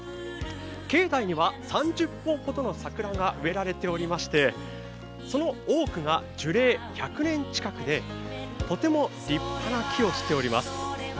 境内には３０本ほどの桜が植えられておりまして、その多くが樹齢１００年近くでとても立派な木をしております。